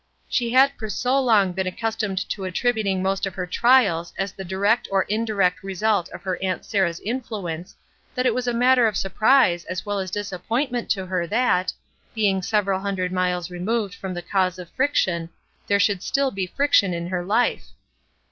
She had for so long been accustomed to attributing most of her trials as the direct or indirect result of her Aunt Sarah's influence that it was a matter of surprise as well as disappointment to her that, being several hundred miles removed from the cause of friction, there should still be friction in her life.